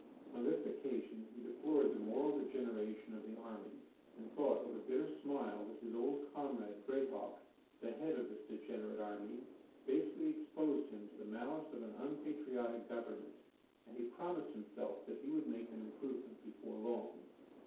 On this occasion he deplored the moral degeneration of the army, and thought with a bitter smile that his old comrade Greatauk, the head of this degenerate army, basely exposed him to the malice of an unpatriotic government. And he promised himself that he would make an improvement before long.